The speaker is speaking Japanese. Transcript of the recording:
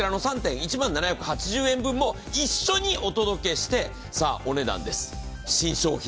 こちらの３点１万７８０円分も一緒にお届けして、さあ、お値段です。